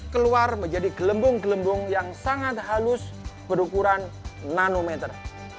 keluar menjadi gelembung gelembung yang sangat halus berukuran nanometer